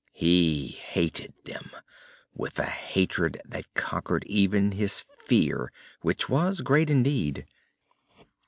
He hated them, with a hatred that conquered even his fear, which was great indeed.